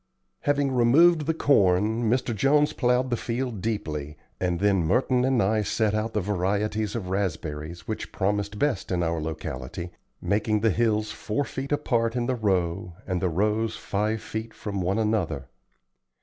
Having removed the corn, Mr. Jones plowed the field deeply, and then Merton and I set out the varieties of raspberries which promised best in our locality, making the hills four feet apart in the row, and the rows five feet from one another.